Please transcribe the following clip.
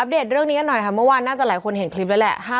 เดตเรื่องนี้กันหน่อยค่ะเมื่อวานน่าจะหลายคนเห็นคลิปแล้วแหละ